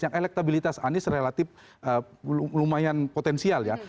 yang elektabilitas anies relatif lumayan potensial ya